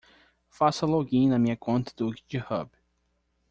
Faça login na minha conta do github.